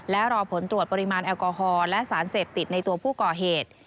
และรอผลตรวจปริมาณแอลกอฮอลและสารเสพติดในตัวผู้ก่อเหตุ